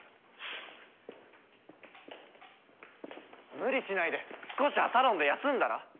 無理しないで少しはサロンで休んだら？